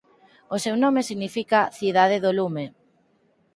O seu nome significa "cidade do lume".